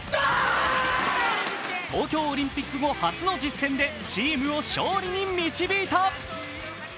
東京オリンピック後初の実戦でチームを勝利に導いた。